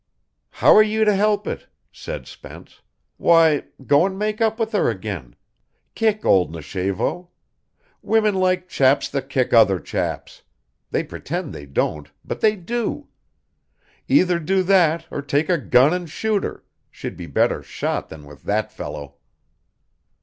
"How are you to help it?" said Spence. "Why, go and make up with her again, kick old Nichévo. Women like chaps that kick other chaps; they pretend they don't, but they do. Either do that or take a gun and shoot her, she'd be better shot than with that fellow."